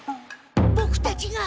ボクたちが。